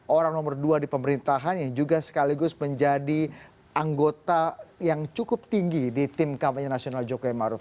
orang nomor dua di pemerintahan yang juga sekaligus menjadi anggota yang cukup tinggi di tim kampanye nasional jokowi maruf